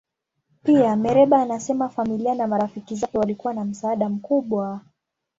Pia, Mereba anasema familia na marafiki zake walikuwa na msaada mkubwa.